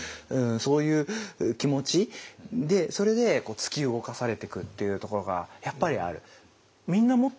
そういう気持ちでそれで突き動かされてくっていうところがやっぱりある。